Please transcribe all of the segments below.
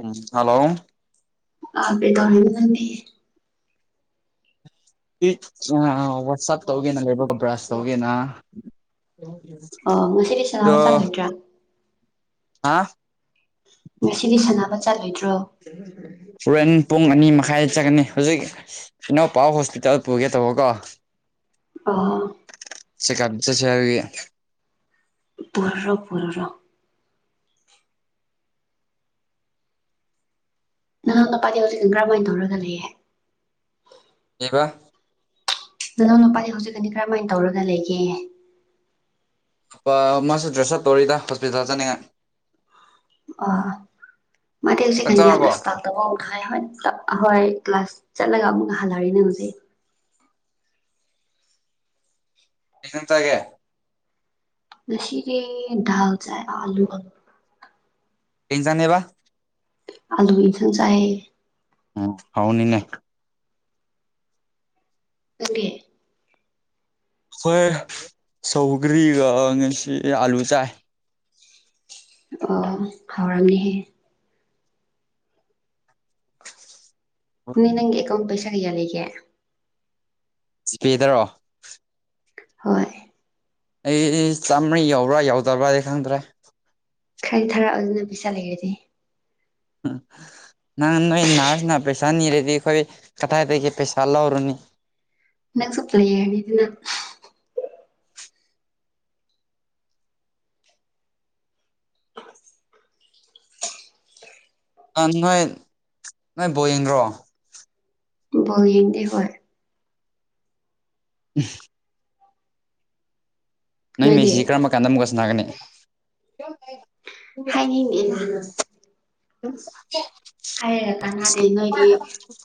ꯎꯝ hello ꯑꯦ ꯇ WhatsApp ꯇꯧꯒꯦꯅ ꯂꯩꯕ ꯀ ꯭ꯔꯥꯁ ꯇꯧꯒꯦꯅ ꯑꯣ ꯉꯁꯤꯗꯤ ꯇ ꯁꯥꯟꯅꯕ ꯆꯠꯂꯣꯏꯗ꯭ꯔꯥ ꯍꯥ ꯉꯁꯤꯗꯤ ꯁꯥꯟꯅꯕ ꯆꯠꯂꯣꯏꯗ꯭ꯔꯣ ꯍꯨꯔꯦꯟ ꯄꯨꯡ ꯑꯅꯤ ꯃꯈꯥꯏꯗ ꯆꯠꯀꯅꯤ ꯍꯧꯖꯤꯛ ꯏꯅꯥꯧꯄꯥ ꯍꯣꯁꯄꯤꯇꯥꯜ ꯄꯨꯒꯦ ꯇꯧꯕꯀꯣ ꯑ ꯁꯤ ꯀꯥꯞꯖ ꯁꯦꯔꯒ ꯄꯔꯣ ꯄꯔꯣ ꯅꯅꯥꯪ ꯅꯄꯥꯗꯤ ꯍꯧꯖꯤꯛ ꯀꯔꯝꯥꯏꯅ ꯇꯧꯔꯒ ꯂꯩꯌꯦꯦ ꯀ ꯅꯅꯥꯎ ꯅꯨꯨꯄꯥꯗꯤ ꯍꯧꯖꯤꯛꯀꯗꯤ ꯀꯔꯝꯃꯥꯏꯅ ꯇꯧꯔꯒ ꯂꯩꯒꯦ ꯃꯥꯁꯨ ꯗ꯭ꯔꯦꯁ ꯑꯞ ꯇꯧꯔꯤꯗ ꯍꯣꯁꯄꯤꯇꯥꯜꯗ ꯆꯠꯅꯤꯡꯉꯥꯏ ꯑꯥ ꯃꯦꯜꯁꯦꯀ ꯆꯥꯛ ꯌꯥꯝꯅ ꯆꯥꯔꯕꯣ ꯏꯁꯇꯥꯇꯕꯈ ꯍꯣꯏ ꯍꯣꯏ ꯀ꯭ꯂꯥꯁ ꯆꯠꯂꯒ ꯑꯃꯨꯛꯀ ꯍꯜꯂꯔꯤꯅꯦ ꯍꯧꯁꯛ ꯌꯦꯟꯇꯒꯦ ꯉꯁꯤꯒꯤꯦ ꯜ ꯆꯥꯏ ꯑꯂꯨ ꯑ ꯀꯖꯅꯦꯦꯕ ꯑꯂꯨ ꯏꯊꯟ ꯆꯥꯏ ꯎꯝ ꯍꯥꯎꯅꯤꯅꯦ ꯑꯣꯀꯦ ꯍꯣꯏ ꯁꯧꯒ꯭ꯔꯤ ꯑꯂꯨ ꯆ ꯑꯣ ꯍꯥꯎꯔꯥꯡꯅꯤꯍꯦ ꯅ ꯅꯪ ꯑꯦꯀꯥꯎꯟ ꯄꯩꯁꯥ ꯀꯩꯌꯥ ꯂꯩꯒꯦ ꯁꯤꯄꯦꯗꯔꯣ ꯍꯣꯏ ꯑꯩ ꯆꯥꯝꯃꯔꯤ ꯌꯎꯕ꯭ꯔꯥ ꯌꯧꯗꯕ꯭ꯔꯥꯗꯤ ꯈꯪꯗ꯭ꯔꯦ ꯈꯔ ꯊꯥꯔꯛꯑꯣ ꯑꯗꯨꯅ ꯄꯩꯁꯥ ꯂꯩꯔꯗꯤ ꯎꯝ ꯅꯪ ꯅꯣꯏ ꯅꯔꯁꯅ ꯄꯩꯁꯥ ꯅꯤꯔꯗꯤ ꯑꯩꯈꯣꯏ ꯀꯗꯥꯏꯗꯒꯦ ꯄꯩꯁꯥ ꯂꯧꯔꯨꯅꯤ ꯅꯪ ꯁꯣꯄ ꯇ ꯍꯥꯏꯗꯅ ꯅꯣꯏ ꯅꯣꯏ ꯕꯣ ꯌꯦꯡꯈ꯭ꯔꯣ ꯣ ꯌꯦꯡꯗꯤꯦ ꯍꯣꯏ ꯎꯝ ꯅꯪ ꯅꯣꯏꯗꯤ ꯃꯩꯁꯤ ꯀꯔꯝꯕ ꯀꯥꯟꯗ ꯑꯃꯨꯛꯀꯁꯅꯥꯒꯅꯤ ꯍꯥꯏꯅꯤꯡꯗꯦꯗ [inaudible] ꯍꯥꯏꯔ ꯀꯥꯟꯅꯗꯤ ꯅꯣꯏꯗꯤ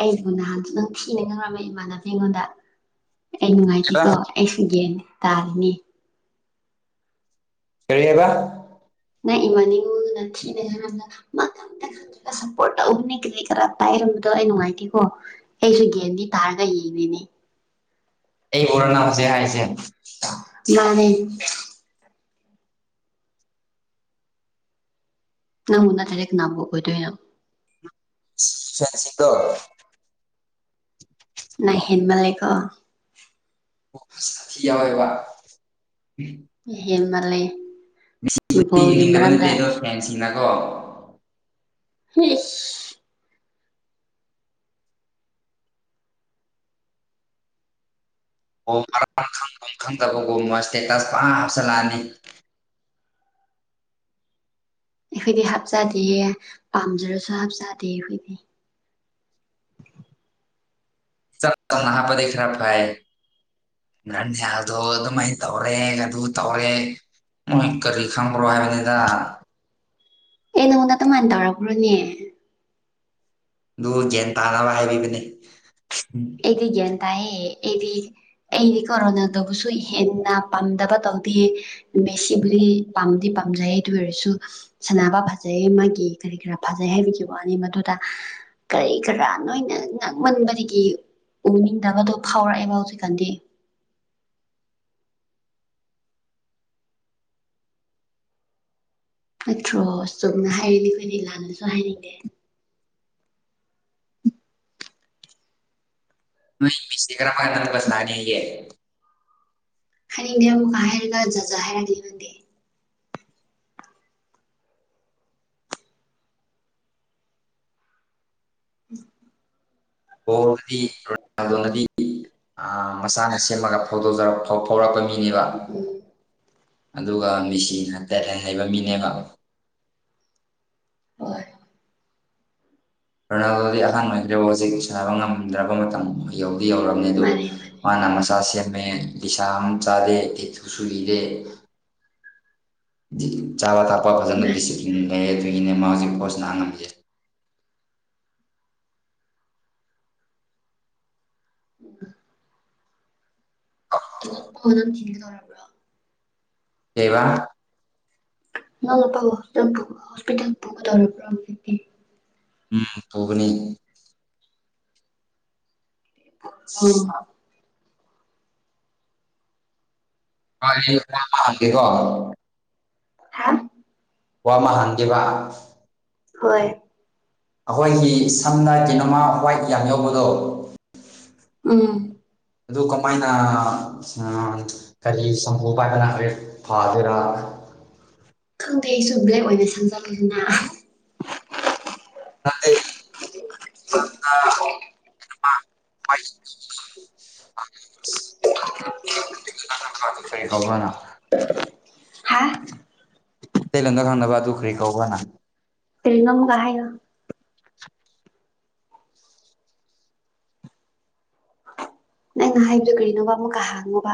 ꯑꯩꯕꯨ ꯅꯍꯥꯟꯁꯨ ꯅꯪ ꯁꯤꯅ ꯉꯪꯔꯝꯃꯦ ꯏꯃꯥꯟꯅꯕꯗꯤ ꯑꯩꯉꯣꯟꯗ ꯑꯩ ꯅꯨꯡꯉꯥꯏꯇꯦꯀꯣ ꯑꯩꯁꯨ ꯌꯦꯟꯅꯤ ꯇꯥꯔꯅꯤ ꯀꯔꯤ ꯍꯥꯏꯕ ꯅꯪ ꯏꯃꯅꯤꯉ ꯅꯠꯇꯅꯦ ꯍꯥꯏ ꯁꯞꯄꯣꯔꯠ ꯇꯧꯒꯅꯤ ꯀ ꯈꯔ ꯄꯥꯏꯔꯝꯕꯗꯣ ꯑꯩ ꯅꯨꯡꯉꯥꯏꯇꯦꯀꯣ ꯑꯩꯁꯨ ꯒꯟꯗꯤ ꯇꯥꯔꯒ ꯍꯅꯦ ꯑꯩ ꯄꯔꯅꯥꯁꯦ ꯍꯥꯏꯁꯦ ꯃꯥꯅꯦ ꯅ ꯎꯟꯅ ꯇꯔꯦꯛ ꯅꯝꯕ ꯑꯣꯏꯣꯏꯗꯣꯏꯅ ꯁꯁꯤꯗ ꯅ ꯍꯃꯜ ꯂꯩꯀꯣ ꯁꯥ ꯌꯥꯋꯥꯕ ꯍꯃ ꯂꯩꯦ ꯗꯤ ꯌꯦꯡꯅꯤꯡꯗꯕ ꯅꯠꯇꯦ ꯑꯗꯣ ꯐꯦꯟꯁꯤꯡꯅ ꯀꯣ ꯍ ꯑꯣ ꯃꯔꯥ ꯈꯪ ꯈꯪꯗꯕꯒꯣ ꯃꯣꯏ ꯏꯁꯇꯦꯇꯁ ꯄꯨꯔꯥ ꯍꯥꯞꯆꯤꯜꯂꯛꯑꯅꯤ ꯑꯩꯈꯣꯏꯗꯤ ꯍꯥꯞꯆꯗꯦꯌꯦ ꯄꯥꯝꯖꯔꯁꯨ ꯍꯥꯞꯆꯗꯦ ꯑꯩꯈꯣꯏꯗꯤ [inaudible] ꯆ ꯅꯍꯥꯄ ꯈꯔ ꯐꯏ ꯅꯪꯅꯦ ꯑꯗꯣ ꯑꯗꯨꯃꯥꯏꯅ ꯇꯧꯔꯦ ꯑꯗꯨ ꯑꯗꯨ ꯇꯧꯔꯦ ꯅꯣꯏ ꯀꯔꯤ ꯈꯪꯕ꯭ꯔꯣ ꯍꯥꯏꯕꯅꯤꯗ ꯑꯦ ꯅꯪꯉꯣꯟꯗ ꯑꯗꯨꯃꯥꯏꯅ ꯇꯧꯔꯄ꯭ꯔꯣꯅꯦ ꯑꯗꯨ ꯒ꯭ꯌꯥꯟ ꯇꯥꯅꯕ ꯍꯥꯏꯕꯤꯕꯅꯤ ꯑꯦꯒꯤꯒꯤꯅꯤ ꯇꯥꯏꯌꯦ ꯑꯩꯗꯤ ꯑꯩꯗꯤ ꯀꯣꯔꯣꯅꯥꯗꯕꯨꯁꯨ ꯍꯦꯟꯅ ꯄꯥꯝꯗꯕ ꯇꯧꯗꯦꯌꯦ ꯕꯦꯁꯤꯕꯨꯂꯤ ꯄꯥꯝꯗꯤ ꯄꯥꯝꯖꯩ ꯑꯗꯨ ꯑꯣꯏꯔꯁꯨ ꯁꯅꯕ ꯐꯖꯩꯌꯦ ꯃꯥꯒꯤ ꯀꯔꯤ ꯀꯔꯥ ꯐꯖꯩ ꯍꯥꯏ ꯍꯥꯏꯕꯤꯈꯤꯕ ꯋꯥꯅꯤ ꯃꯗꯨꯗ ꯀꯔꯤ ꯀꯔꯥ ꯅꯣꯏꯅ ꯉꯛꯃꯟꯕꯗꯒꯤ ꯎꯅꯤꯡꯗꯕꯗꯣ ꯐꯥꯎꯔꯛꯑꯦꯕ ꯍꯧꯖꯤꯛꯀꯥꯟꯗꯤ ꯅꯠꯇ꯭ꯔꯣ ꯁꯨꯝꯅ ꯍꯥꯏꯔꯤꯅꯦ ꯑꯩꯈꯣꯏꯅ ꯏꯂꯥꯟꯗꯁꯨ ꯍꯥꯏꯅꯤꯡꯉꯦ ꯅ ꯃꯤꯁꯤ ꯈꯔ ꯐ ꯅꯗꯕꯁ ꯂꯅꯤꯦ ꯍꯥꯏꯅꯤꯡꯗ ꯑꯃꯨꯛ ꯍꯥꯏꯔꯒꯖꯖ ꯍꯥꯏꯔꯒ ꯂꯩꯅꯗꯦ ꯎꯝ ꯍꯗꯤ ꯔꯣꯅꯥꯜꯗꯣꯅꯗꯤ ꯃꯁꯥꯅ ꯁꯦꯝꯃꯒ ꯐꯣꯡꯗꯣꯛꯖꯔꯛꯀꯦ ꯐꯥꯎꯔꯛꯄ ꯃꯤꯅꯦꯕ ꯎꯝ ꯑꯗꯨꯒ ꯃꯦꯁꯤ ꯍꯇꯦ ꯍ ꯍꯩꯕ ꯃꯤꯅꯦꯕ ꯍꯣꯏ ꯔꯣꯅꯥꯜꯗꯣꯗꯤ ꯑꯍꯥꯟꯕ ꯑꯣꯏꯈ꯭ꯔꯕꯨ ꯍꯧꯖꯤꯛ ꯁꯥꯟꯅꯕ ꯉꯝꯗ꯭ꯔꯕ ꯃꯇꯝ ꯌꯧ ꯌꯧꯔꯝꯅꯤ ꯑꯣ ꯃꯥꯅꯦ ꯃꯥꯅꯦ ꯃꯥꯅ ꯃꯆꯥ ꯁꯦꯠ ꯂꯤꯁꯥꯝ ꯆꯥꯗꯦ ꯇꯊꯨ ꯁꯨꯏꯔꯦ ꯆꯥꯕ ꯊꯛꯄ ꯐꯖꯅ ꯃꯥꯅꯤ ꯗꯤꯁꯤꯄ꯭ꯂꯤꯟ ꯃꯥꯅꯤ ꯂꯩꯌꯦ ꯃꯥꯅꯤ ꯑꯗꯨꯏꯅꯦ ꯃꯥ ꯍꯧꯖꯤꯛꯣ ꯅꯥꯅꯦ ꯎꯝ ꯐ ꯆꯤꯡ ꯇꯔꯕ ꯀ ꯋꯥ ꯅꯄ ꯍꯄꯤ ꯍꯣꯁꯄꯤꯇꯥꯜ ꯄꯨꯒꯗꯧꯔ ꯄ꯭ꯔꯣꯗꯤ ꯎꯝ ꯐꯨꯕꯅꯤ ꯑꯥ ꯀ ꯍꯥꯇꯀꯣ ꯍꯥ ꯋꯥꯃ ꯍꯟꯗꯤ ꯋꯥ ꯍꯣꯏ ꯑꯩꯈꯣꯏꯒꯤ ꯁꯝꯅ ꯀꯩꯅꯣꯃ ꯋꯥꯏꯠ ꯌꯥꯝ ꯌꯧꯕꯗꯣ ꯎꯝ ꯑꯗꯨ ꯀꯃꯥꯏꯅ ꯀꯔꯤ ꯁꯪꯒꯨ ꯄꯥꯏꯕꯅ ꯍꯦꯛ ꯐꯥꯗꯣꯏꯔꯥ [unintelligible] ꯈꯪꯗꯦ ꯑꯩꯁꯨ ꯕ꯭ꯂꯦꯛ ꯑꯣꯏꯅ ꯁꯪꯖꯂꯗꯅ ꯅꯗꯤ ꯆꯥꯟꯗ ꯑ ꯐꯔꯤ ꯈꯥꯎ꯭ꯔꯅ ꯍꯥ ꯇ ꯂꯪꯒꯥ ꯈꯪꯅꯕ ꯨꯈ꯭ꯔꯤ ꯀꯥꯎꯕꯅꯪ ꯇꯔꯤꯉꯝꯒꯣ ꯅꯪꯩꯅ ꯍꯥꯏꯕꯗꯨꯣ ꯀꯔꯤꯅꯣꯕ ꯑꯃꯨꯛꯀ ꯍꯥꯡꯉꯣꯕ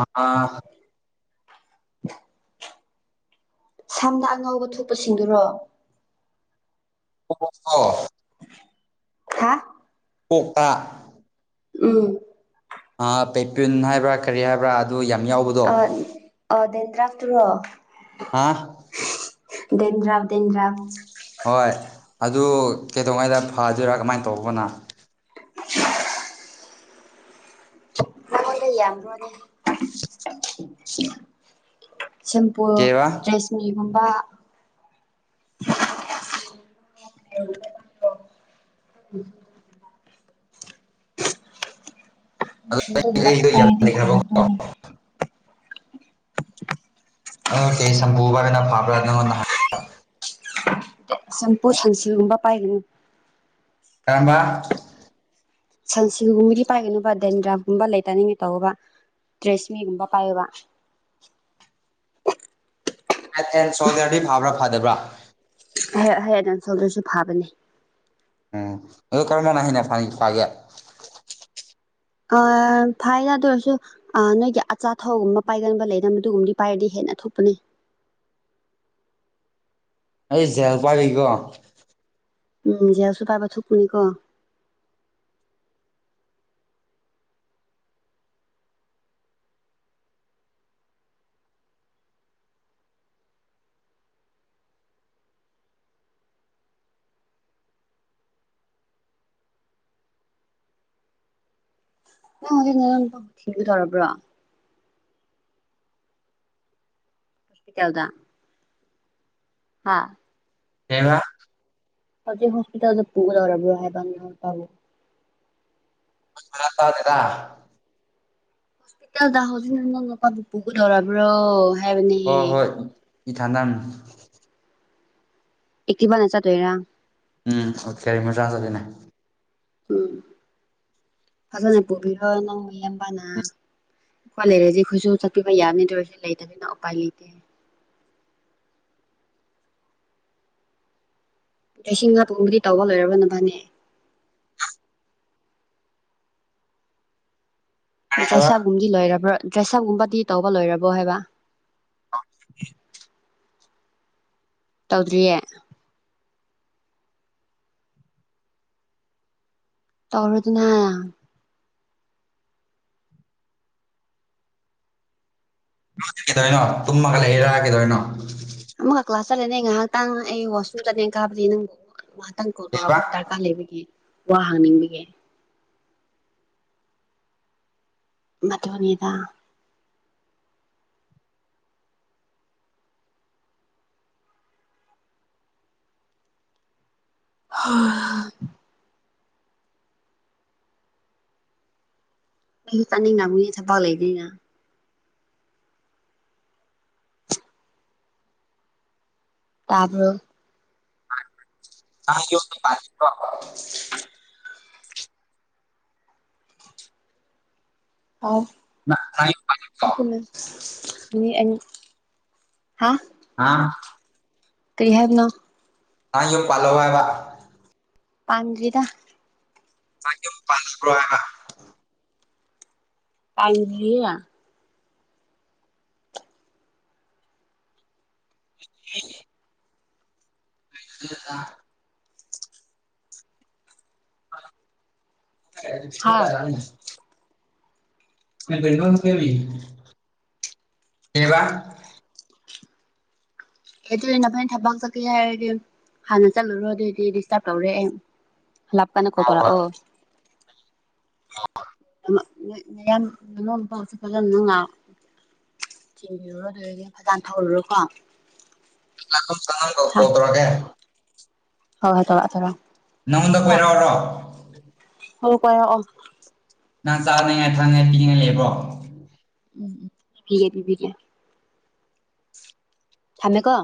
ꯑꯥ [unintelligible] ꯁꯝꯅ ꯑꯉꯧꯕ ꯊꯣꯛꯄꯁꯤꯡꯗꯨꯔꯣ ꯑ ꯍꯥ ꯀꯣꯛꯇꯥ ꯎꯝ ꯄꯦꯄꯤꯟ ꯍꯥꯏꯕ꯭ꯔꯥ ꯀꯔꯤ ꯍꯥꯏꯕ꯭ꯔꯥ ꯑꯗꯨ ꯌꯥꯝ ꯌꯥꯎꯕꯗꯣ ꯑ ꯑ ꯗꯦꯟꯇ꯭ꯔꯐ ꯇ꯭ꯔꯣ ꯑ ꯗꯟ ꯔꯐ ꯗꯟ ꯔꯥꯞ ꯍꯣꯏ ꯑꯗꯨ ꯀꯩꯗꯧꯉꯩꯗ ꯐꯗꯣꯏꯔꯥ ꯀꯃꯥꯏꯅ ꯇꯧꯕꯅꯣ ꯔꯦ ꯁꯤꯝꯄꯨ ꯀꯦꯕ ꯗ꯭ꯔꯦꯁꯃꯤꯒꯨꯝꯕ [unintelligible] ꯎ ꯑꯗꯨ ꯑꯩ ꯑꯩꯗꯣ ꯌꯥꯝ ꯀꯥꯏꯅꯤ ꯐꯔ ꯑꯗꯨ ꯂꯩꯈ꯭ꯔꯕꯀꯣ ꯑ ꯀꯦꯁꯝꯄꯨꯕꯕꯅ ꯄꯥꯕ꯭ꯔꯥꯅ ꯁꯝꯄꯨꯔꯁꯟꯁꯤꯒꯨꯝꯕ ꯄꯥꯏꯒꯅꯤ ꯀꯔꯝꯕ ꯁꯟꯁꯤꯜꯒꯨꯝꯕꯗꯤ ꯄꯥꯏꯒꯅꯨꯕ ꯗꯦꯟꯗ꯭ꯔꯥꯒꯨꯝꯕ ꯂꯩꯇꯅꯤꯡꯉꯦ ꯇꯧꯕꯧꯕ ꯗ꯭ꯔꯁꯃꯤ ꯔꯝꯕ ꯄꯥꯏꯕ [unintelligible] ꯑꯦꯟ ꯁꯣꯜꯗꯔꯗꯤ ꯐꯥꯕ꯭ꯔꯥ ꯐꯗꯕ꯭ꯔꯥ ꯍ ꯍ ꯑꯗꯨ ꯑꯗꯨꯝ ꯁꯣꯗꯔꯁꯨ ꯐꯥꯕꯅꯦ ꯎꯝ ꯑꯗꯨ ꯀꯃꯅ ꯍꯅꯦ ꯐ ꯐꯒꯦꯠ ꯑ ꯐꯥꯏꯅ ꯑꯗꯨ ꯑꯣꯏꯔꯁꯨ ꯅꯣꯏꯒꯤ ꯑꯆꯥꯊꯊꯧꯒꯨꯝꯕ ꯄꯥꯏꯒꯟꯕ ꯂꯩꯅ ꯃꯗꯨꯒꯨꯝꯕꯗꯤ ꯄꯥꯏꯔꯗꯤ ꯍꯦꯂ ꯑꯊꯣꯛꯄꯅꯤ [inaudible] ꯑꯩ ꯖꯦꯜꯄꯥꯔꯤꯀꯣ ꯎꯝ ꯌꯥꯎꯁꯨ ꯇꯥꯏꯕ ꯊꯣꯛ ꯀꯅꯤ ꯀꯣ ꯅꯪ ꯊꯤꯡꯒ ꯇꯔꯕ꯭ꯔꯣ ꯈꯁ ꯀꯥꯎꯗ ꯍꯥꯥ ꯍꯉ ꯍꯧꯖꯤ ꯍꯁꯄꯤꯇꯥꯜ ꯄꯨꯗꯔꯔꯕ ꯍꯥꯏꯦꯕꯅ ꯄꯕꯨ ꯐꯔꯗꯦꯗ ꯍꯣꯁꯄꯤꯇꯥꯜꯗ ꯍꯣꯖꯤꯅ ꯅꯄꯥ ꯕꯨꯄꯨꯒꯗꯧꯔꯔꯕ꯭ꯔꯣ ꯍꯥꯏꯦꯕꯅꯤ ꯏꯊꯗꯝ ꯑꯦꯇꯚ ꯅꯆꯥ ꯇ ꯑꯦꯔ ꯎꯝ ꯀꯔꯤꯃ ꯆꯥ ꯆꯠꯂꯤꯅꯦ ꯎꯝ ꯐꯖꯅ ꯄꯨꯣꯕꯤꯔꯣ ꯅꯪ ꯃꯂꯝꯝꯕꯅ ꯑꯩꯈꯣꯏ ꯂꯩꯔꯗꯤꯦ ꯑꯩꯈꯣꯏꯁꯨ ꯆꯠꯄꯤꯕ ꯌꯥꯕꯅꯤꯗ ꯑꯣꯏꯔꯁꯨ ꯂꯩꯇꯕꯤꯅ ꯎꯄꯥꯏ ꯂꯩꯇꯦ ꯂꯤꯁꯤꯡ ꯃ ꯄꯨꯡꯕꯨꯗꯤ ꯇꯧꯕ ꯂꯣꯏꯔꯕꯅ ꯐꯅꯦ ꯀꯩ ꯍꯥꯏꯕ ꯆꯁꯥꯒꯨꯝꯗꯤ ꯂꯣꯏꯔꯕ꯭ꯔꯥ ꯗ꯭ꯔꯦꯁꯑꯞꯒꯨꯝꯕꯗꯤ ꯇꯧꯕ ꯂꯣꯏꯔꯕꯣ ꯍꯥꯏꯕ ꯇꯧꯗ꯭ꯔꯤꯌꯦ ꯇꯧꯔꯗꯨꯅ ꯀꯩꯗꯣꯏꯅꯣ ꯇꯨꯝꯃꯒ ꯂꯩꯔꯛ ꯀꯦꯗꯣꯏꯅꯣ ꯑꯃꯨꯛꯀ ꯀ꯭ꯂꯥꯁ ꯆꯠꯂꯦꯅꯦ ꯑꯩ ꯉꯥꯏꯍꯥꯛꯇꯥꯡ ꯑꯩ ꯋꯥꯁꯔꯨꯝ ꯆꯠꯂꯦꯅ ꯀꯥꯕꯗꯤ ꯅꯪ ꯈꯤꯇꯪ ꯀꯣ ꯀꯩꯕ ꯇꯧꯔꯛꯄ ꯗꯔꯀꯥꯔ ꯂꯩꯕꯒꯤ ꯋꯥ ꯍꯥꯡꯅꯤꯡꯕꯒꯤ ꯃꯗꯨ ꯃꯅꯤꯗ ꯍꯣꯏ ꯍ ꯑꯩ ꯇꯅꯤ ꯉꯕꯨ ꯊ ꯐ ꯂꯩꯅꯤꯅ ꯇꯕꯔꯣ ꯑ ꯌ ꯑꯥꯎ ꯅꯪ ꯅꯪ ꯌꯨꯝ ꯄꯥꯟꯗ꯭ꯔꯤꯕꯣ ꯅꯣꯃꯦ ꯃꯤ ꯍꯥ ꯑꯥ ꯀꯔꯤ ꯍꯥꯏꯗꯅ ꯇ ꯌꯣ ꯄꯜꯋꯥꯕ ꯄꯗ ꯊ ꯀꯦ ꯄꯖ ꯄ꯭ꯔ ꯀꯥꯏ ꯏꯂꯤ ꯍ [inaudible] ꯍꯥ ꯔꯅꯤ ꯀ ꯀꯕꯥ ꯑꯦ ꯑꯗꯨꯅ ꯐꯅ ꯊꯕꯛ ꯆꯠꯀꯦ ꯍꯥꯏꯔꯗꯤ ꯍꯥꯟꯅ ꯆꯠꯂꯨꯔꯣ ꯑꯗꯨꯑꯣꯏꯗꯤ ꯗꯤꯁꯇꯥꯔꯕ ꯇꯧꯔꯦ ꯂꯞꯀꯥꯟꯅ ꯀꯣꯇꯣꯔꯥ ꯑꯣ ꯑ ꯁꯤ ꯉ ꯆꯤꯡꯕꯤꯔꯨꯔꯣ ꯑꯗꯨꯔꯗꯤ ꯐꯖꯅ ꯊꯧꯔꯨꯔꯣꯀꯣ ꯁ ꯀꯠꯇꯣꯀꯦ ꯍꯣꯏ ꯍꯣꯏ ꯊꯣꯛꯔꯥ ꯇꯧꯔꯑꯣ ꯅꯪꯉꯣꯟꯗ ꯀꯣꯏꯔꯥꯎ꯭ꯔꯣ ꯍ ꯀ ꯑꯣ ꯅꯪ ꯆꯥꯅꯉꯥꯏ ꯊꯛꯅꯤꯡꯉꯥꯏ ꯄꯤꯉꯥꯏ ꯂꯩꯕꯣ ꯎꯝ ꯎꯝ ꯐꯤꯒ ꯐꯕꯤ ꯊꯥꯃꯦꯀ